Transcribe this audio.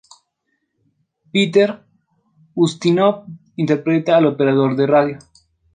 Peter Ustinov interpreta al operador de radio.